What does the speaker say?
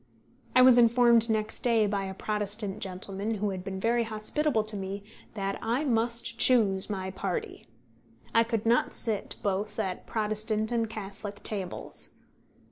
I was informed next day by a Protestant gentleman who had been very hospitable to me that I must choose my party. I could not sit both at Protestant and Catholic tables.